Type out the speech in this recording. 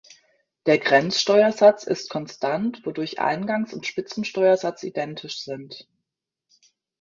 Der Grenzsteuersatz ist konstant, wodurch Eingangs- und Spitzensteuersatz identisch sind.